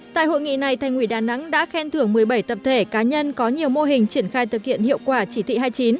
tại hội nghị này thành ủy đà nẵng đã khen thưởng một mươi bảy tập thể cá nhân có nhiều mô hình triển khai thực hiện hiệu quả chỉ thị hai mươi chín